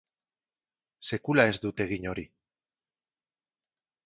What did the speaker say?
Sekula ez dut egin hori.